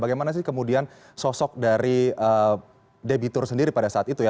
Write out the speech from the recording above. bagaimana sih kemudian sosok dari debitur sendiri pada saat itu ya